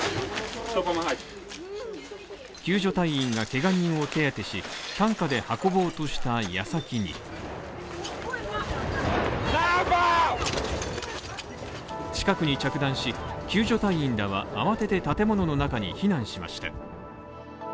救助隊員がけが人を手当てし担架で運ぼうとした矢先に近くに着弾し、救助隊員らは慌てて建物の中に避難しました。